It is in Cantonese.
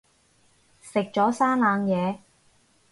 食咗生冷嘢